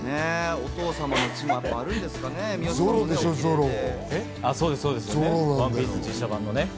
お父様の血もあるんでしょうかね。